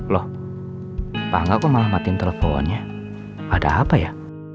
loh bangga kok malah matiin teleponnya ada apa ya